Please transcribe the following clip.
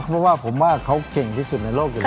เพราะว่าผมว่าเขาเก่งที่สุดในโลกอยู่แล้ว